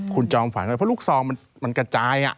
คุณจอมขวัญเพราะลูกซองมันกระจาย